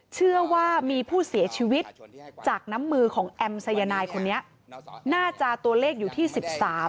เชื่อว่ามีผู้เสียชีวิตจากน้ำมือของแอมสายนายคนนี้น่าจะตัวเลขอยู่ที่สิบสาม